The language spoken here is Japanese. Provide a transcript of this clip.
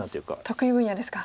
得意分野ですか。